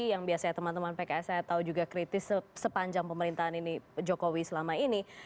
yang biasanya teman teman pks saya tahu juga kritis sepanjang pemerintahan ini jokowi selama ini